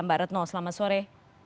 mbak retno selamat sore